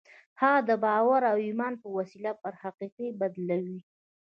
هغه د باور او ايمان په وسيله پر حقيقت بدلوي.